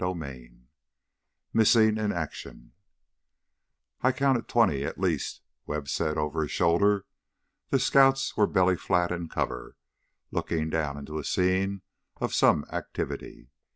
16 Missing in Action "I've counted twenty at least," Webb said over his shoulder. The scouts were belly flat in cover, looking down into a scene of some activity.